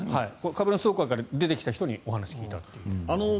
株主総会から出てきた人にお話を聞いたという。